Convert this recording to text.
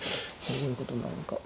どういうことなのか。